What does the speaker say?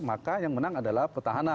maka yang menang adalah petahana